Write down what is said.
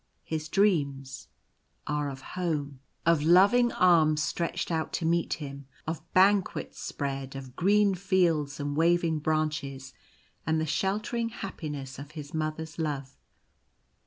His dreams are of home — of The Island. 89 loving arms stretched out to meet him — of banquets spread — of green fields and waving branches, and the sheltering happiness of his mother's love.